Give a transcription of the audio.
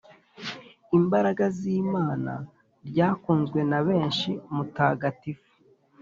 imbaraga z’imana ryakunzwe na benshi mu batagatifu